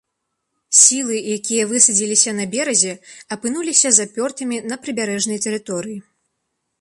Сілы, якія высадзіліся на беразе, апынуліся запёртымі на прыбярэжнай тэрыторыі.